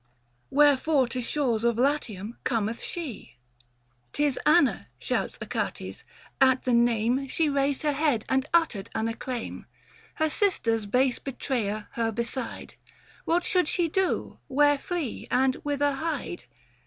Wherefore to shores of Latium conieth she ? 650 " 'Tis Anna," shouts Achates : at the name She raised her head and uttered an acclaim. Her sister's base betrayer her beside — What should she do, where flee, and whither hide